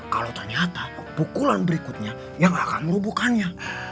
kalau ternyata pukulan berikutnya yang akan merubuhkannya